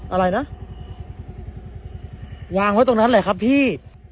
อะไรนะวางไว้ตรงนั้นแหละครับพี่